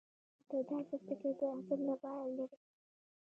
د دال پوستکی د هضم لپاره لرې کړئ